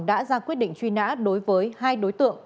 đã ra quyết định truy nã đối với hai đối tượng